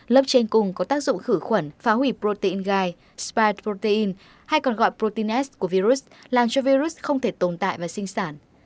lớp trên cung có tác dụng khử khuẩn phá hủy protein gai spide protein hay còn gọi protein s của virus làm cho virus không thể tồn tại và sinh sản